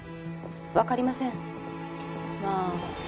分かりませんまあ